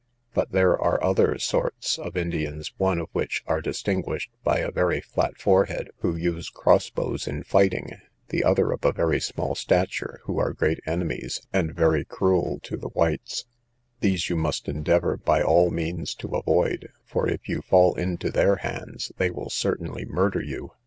But there are other sorts of Indians, one of which are distinguished by a very flat forehead, who use cross bows in fighting; the other of a very small stature, who are great enemies, and very cruel to the whites; these you must endeavour by all means to avoid, for if you fall into their hands, they will certainly murder you.